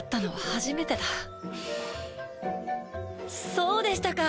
そうでしたか。